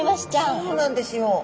そうなんですよ。